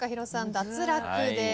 脱落です。